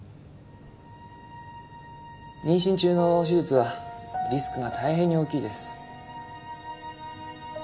妊娠中の手術はリスクが大変に大きいです。